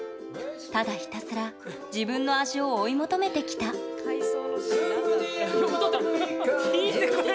ただひたすら自分の味を追い求めてきた歌ってる！